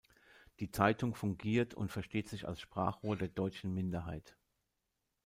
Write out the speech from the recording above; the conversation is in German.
Die Zeitung fungiert und versteht sich als Sprachrohr der deutschen Minderheit.